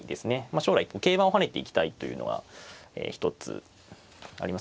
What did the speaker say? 将来桂馬を跳ねていきたいというのは一つあります。